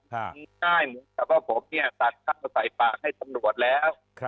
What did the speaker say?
แต่ผมเนี่ยตัดค่ำไฟฝั่งให้สำรวจแล้ว